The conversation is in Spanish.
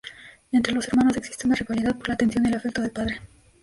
Entre los hermanos existe una rivalidad por la atención y el afecto del padre.